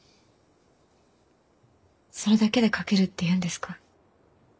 それだけで書けるっていうんですか？